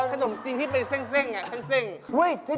อ้ายายยย้า